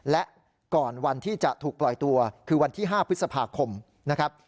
และก่อนวันที่จะถูกปล่อยตัวคือวันที่๕พฤษภาคมนะครับ